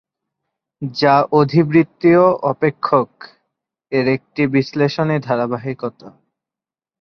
যা অধিবৃত্তীয় অপেক্ষক এর একটি বিশ্লেষণী ধারাবাহিকতা।